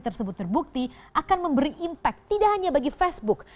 tersebut terbukti akan memberi impact tidak hanya bagi facebook